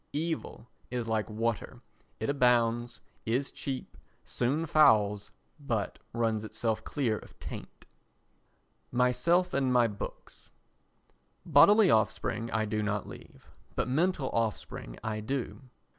Evil is like water, it abounds, is cheap, soon fouls, but runs itself clear of taint. Myself and My Books Bodily offspring I do not leave, but mental offspring I do.